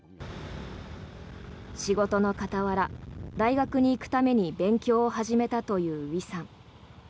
仕事の傍ら、大学に行くために勉強を始めたというウィさん。